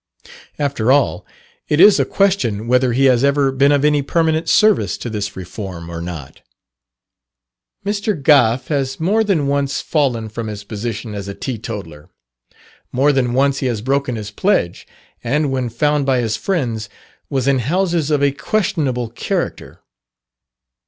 After all, it is a question whether he has ever been of any permanent service to this reform or not. Mr. Gough has more than once fallen from his position as a teetotaler; more than once he has broken his pledge, and when found by his friends, was in houses of a questionable character.